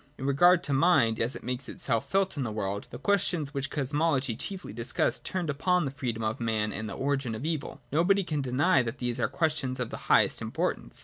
In regard to Mind as it makes itself felt in the world, the questions which Cosmology chiefly discussed turned upon the freedom of man and the origin of evil. Nobody can deny that these are questions of the highest importance.